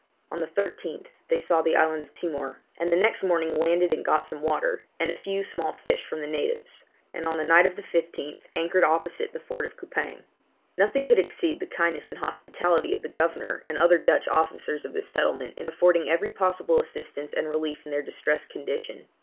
On the 13th, they saw the island of Timor, and the next morning landed and got some water, and a few small fish from the natives; and on the night of the 15th, anchored opposite the fort of Coupang. Nothing could exceed the kindness and hospitality of the governor and other Dutch officers of this settlement, in affording every possible assistance and relief in their distressed condition.